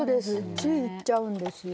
ついいっちゃうんですよ。